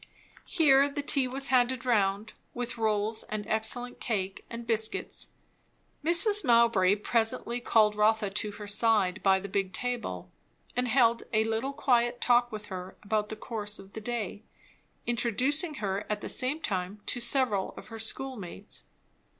Here the tea was handed round, with rolls and excellent cake and biscuits. Mrs. Mowbray presently called Rotha to her side, by the big table; and held a little quiet talk with her about the course of the day, introducing her at the same time to several of her schoolmates.